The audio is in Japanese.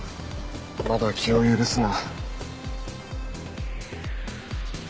まだ気を許すな。